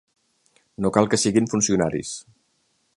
No cal que siguin funcionaris.